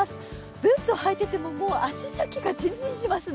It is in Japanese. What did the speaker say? ブーツを履いていても足先がじんじんしますね。